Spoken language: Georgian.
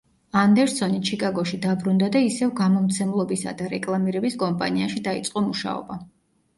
ანდერსონი ჩიკაგოში დაბრუნდა და ისევ გამომცემლობისა და რეკლამირების კომპანიაში დაიწყო მუშაობა.